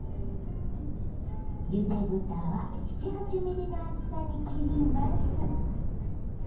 ゆで豚は７８ｍｍの厚さに切ります。